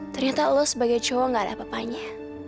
ternyata lo sebagai cowok nggak ada apa apanya